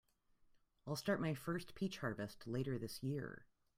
I'll start my first peach harvest later this year.